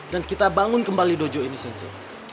dan kita bangun kembali dojo ini sensei